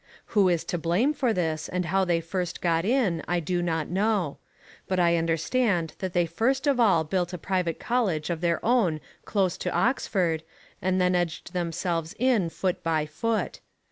Who is to blame for this and how they first got in I do not know. But I understand that they first of all built a private college of their own close to Oxford, and then edged themselves in foot by foot.